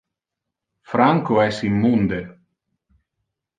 Franco es immunde.